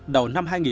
đầu năm hai nghìn